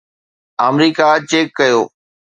آمريڪا check ڪيو